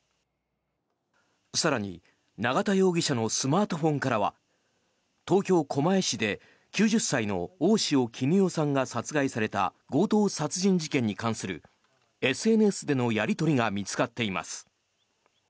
更に、永田容疑者のスマートフォンからは東京・狛江市で９０歳の大塩衣與さんが殺害された強盗殺人事件に関するＳＮＳでのやり取りが見つかっています。